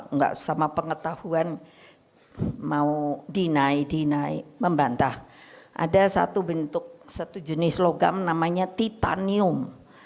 enggak sama pengetahuan mau dinai dinai membantah ada satu bentuk satu jenis logam namanya titanium